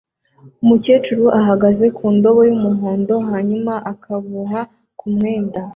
Umukecuru ahagaze ku ndobo y'umuhondo hanyuma akaboha ku mwenda